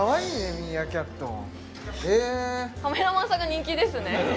ミーアキャットへえカメラマンさんが人気ですね